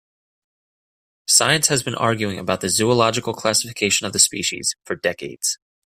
Science has been arguing about the zoological classification of the species for decades.